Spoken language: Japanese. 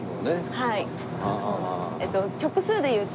はい。